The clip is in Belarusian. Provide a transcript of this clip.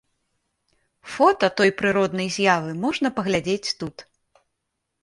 Фота той прыроднай з'явы можна паглядзець тут.